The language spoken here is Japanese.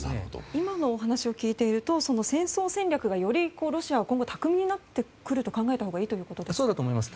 今のお話を聞いていると戦争戦略がよりロシアは巧みになってくると考えたほうがそうだと思います。